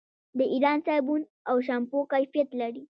د ایران صابون او شامپو کیفیت لري.